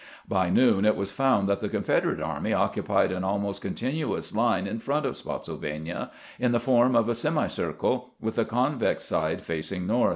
By noon it was found that the Confederate army occupied an almost continuous line in front of Spottsylvania, in the form of a semicircle, with the convex side facing north.